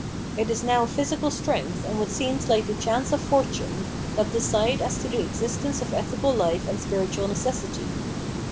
It is now physical strength and what seems like the chance of fortune, that decide as to the existence of ethical life and spiritual necessity.